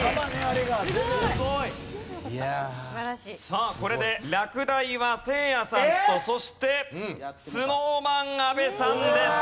さあこれで落第はせいやさんとそしてＳｎｏｗＭａｎ阿部さんです。